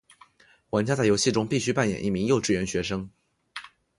玩家在游戏中必须扮演一名幼稚园学生。